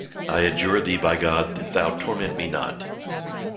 I adjure thee by God, that thou torment me not.